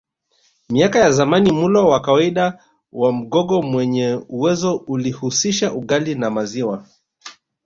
Miaka ya zamani mlo wa kawaida wa Mgogo mwenye uwezo ulihusisha ugali na maziwa